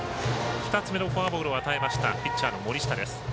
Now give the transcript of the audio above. ２つ目のフォアボールを与えたピッチャー、森下です。